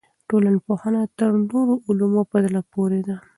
ټولنپوهنه تر نورو علومو په زړه پورې ده.